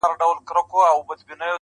راسه دعا وكړو.